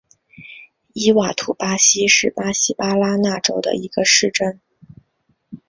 伊瓦图巴是巴西巴拉那州的一个市镇。